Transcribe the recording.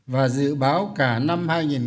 và dự báo cả năm hai nghìn hai mươi